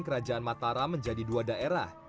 kerajaan mataram menjadi dua daerah